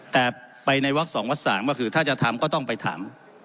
แต่ไปในวัก๒วัก๓ก็คือถ้าจะทำก็ต้องไปถาม